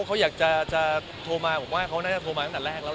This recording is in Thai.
กับอัพเดทที่จะพร้อมเอ่อล่าสุดยังไม่มีฮะครับ